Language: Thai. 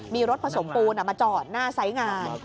มีรถผสมปูนมาจอดหน้าไซส์งาน